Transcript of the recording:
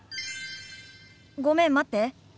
ごめん待って。